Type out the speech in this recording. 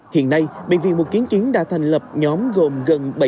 hiện nay bệnh viện một kiến chuyến đã thành lập nhóm gồm gần bảy trăm linh